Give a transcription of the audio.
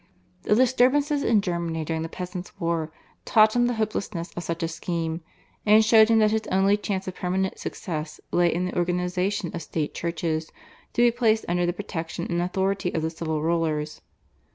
The disturbances in Germany during the Peasants' War taught him the hopelessness of such a scheme, and showed him that his only chance of permanent success lay in the organisation of state churches to be placed under the protection and authority of the civil rulers.